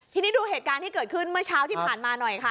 ทีนี้ดูเหตุการณ์ที่เกิดขึ้นเมื่อเช้าที่ผ่านมาหน่อยค่ะ